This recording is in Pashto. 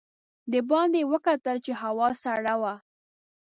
د باندې یې وکتل چې هوا سړه وه.